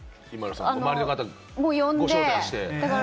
周りの人をご招待して。